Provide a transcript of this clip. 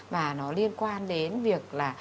và nó liên quan đến việc là